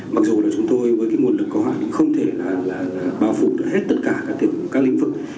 mặc dù là chúng tôi với cái nguồn lực có hạn thì không thể là bảo phụ hết tất cả các lĩnh vực